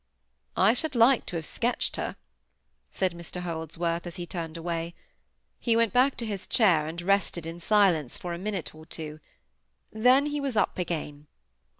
"I should like to have sketched her," said Mr Holdsworth, as he turned away. He went back to his chair, and rested in silence for a minute or two. Then he was up again.